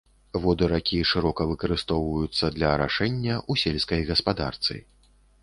Воды ракі шырока выкарыстоўваюцца для арашэння ў сельскай гаспадарцы.